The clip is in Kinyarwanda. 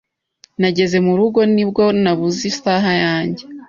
Nageze mu rugo, ni bwo nabuze isaha yanjye.